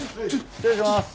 失礼します。